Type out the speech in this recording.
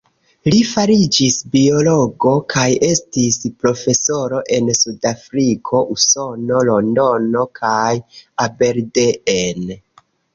Li fariĝis biologo kaj estis profesoro en Sudafriko, Usono, Londono kaj Aberdeen.